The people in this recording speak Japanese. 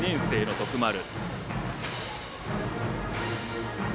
２年生の徳丸。